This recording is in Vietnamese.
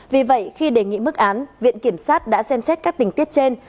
vì vậy khi đề nghị mức án viện kiểm sát đã xem xét các tình tiết trên